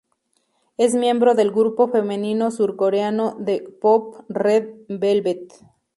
Es miembro del grupo femenino surcoreano de k-pop Red Velvet.